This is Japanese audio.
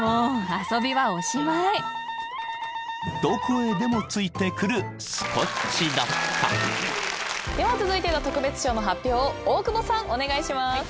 ［どこへでもついてくるスコッチだった］では続いての特別賞の発表を大久保さんお願いします。